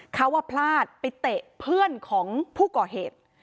เขาว่าพลาดไปเตะเพื่อนของผู้ก่อเหตุ